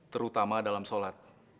terutama dalam sholat